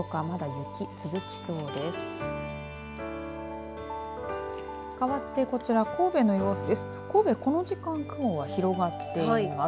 かわってこちら神戸の様子です。